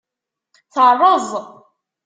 Teṛṛeẓ.